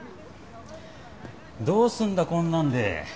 どうすんだこんなんで。